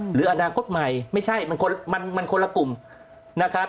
หรืออนาคตใหม่ไม่ใช่มันคนละกลุ่มนะครับ